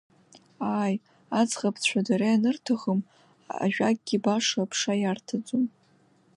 Ааи, аӡӷабцәа дара ианырҭахым ажәакгьы баша аԥша иарҭаӡом…